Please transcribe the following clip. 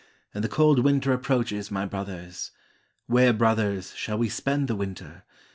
And the cold winter approaches, my brothers. Where, brothers, shall we spend the winter?